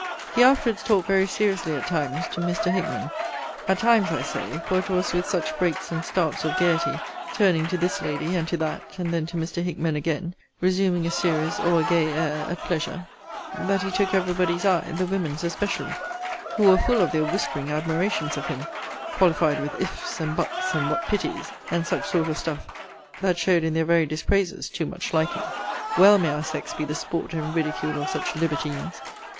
He afterwards talked very seriously, at times, to Mr. Hickman: at times, I say; for it was with such breaks and starts of gaiety, turning to this lady, and to that, and then to Mr. Hickman again, resuming a serious or a gay air at pleasure, that he took every body's eye, the women's especially; who were full of their whispering admirations of him, qualified with if's and but's, and what pity's, and such sort of stuff, that showed in their very dispraises too much liking. Well may our sex be the sport and ridicule of such libertines!